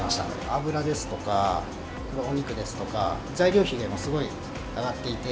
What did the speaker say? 油ですとか、お肉ですとか、材料費が今、すごい上がっていて。